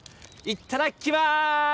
いっただきます！